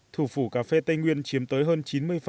thủ phủ cà phê tây nguyên chiếm tới hơn chín mươi